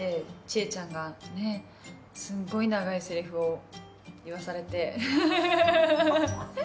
知恵ちゃんがすんごい長いセリフを言わされてフフフフ。